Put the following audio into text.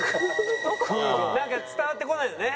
なんか伝わってこないのね？